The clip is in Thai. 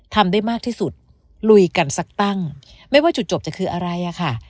ทำได้มากที่สุดลุยกันสักตั้งไม่ว่าจุดจบจะคืออะไรอะค่ะ